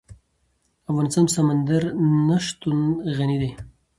افغانستان په سمندر نه شتون غني دی.